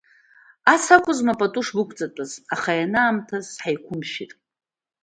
Ас акәызма пату шбықәҵатәыз, аха ианаамҭамыз ҳаиқәшәеит!